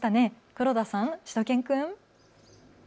黒田さん、しゅと犬くん。